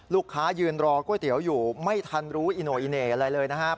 ลูกค้ายืนรอก๋วยเตี๋ยวอยู่ไม่ทันรู้อิโนโออิเนย์อะไรเลยนะครับ